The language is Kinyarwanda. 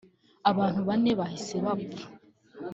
Abantu bane bahise bapfa